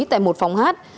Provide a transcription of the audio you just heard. tại một phòng hát